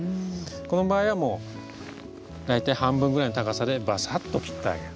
この場合はもう大体半分ぐらいの高さでバサッと切ってあげる。